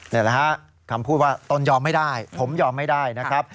นี่แหละฮะคำพูดว่าตนยอมไม่ได้ผมยอมไม่ได้นะครับ